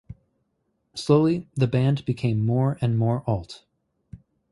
Slowly, the band became more and more alt.